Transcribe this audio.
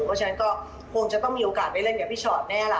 เพราะฉะนั้นก็คงจะต้องมีโอกาสได้เล่นกับพี่ชอตแน่ล่ะ